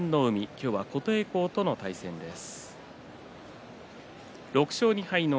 今日は琴恵光との対戦です。